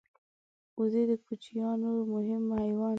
وزې د کوچیانو مهم حیوان دی